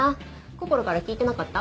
こころから聞いてなかった？